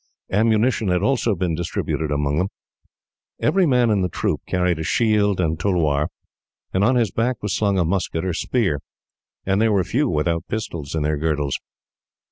Ammunition had also been distributed among them. Every man in the troop carried a shield and tulwar, and on his back was slung a musket or spear; and there were few without pistols in their girdles.